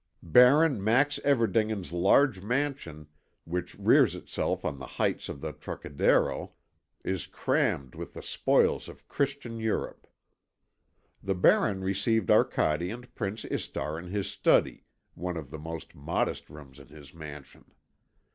Baron Max Everdingen's large mansion, which rears itself on the heights of the Trocadéro, is crammed with the spoils of Christian Europe. The Baron received Arcade and Prince Istar in his study, one of the most modest rooms in his mansion.